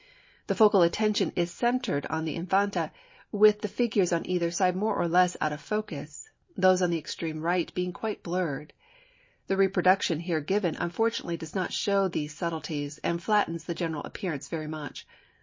The focal attention is centred on the Infanta, with the figures on either side more or less out of focus, those on the extreme right being quite blurred. The reproduction here given unfortunately does not show these subtleties, and flattens the general appearance very much.